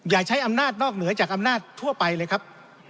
ใช้อำนาจนอกเหนือจากอำนาจทั่วไปเลยครับ